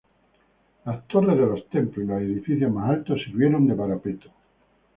Las torres de los templos y los edificios más altos sirvieron de parapeto.